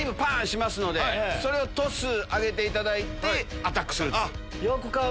しますのでそれをトス上げていただいてアタックする。